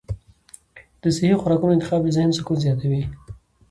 د صحي خوراکونو انتخاب د ذهن سکون زیاتوي.